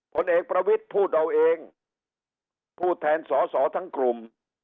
ผลเอกประวิทย์พูดเอาเองผู้แทนสอสอทั้งกลุ่ม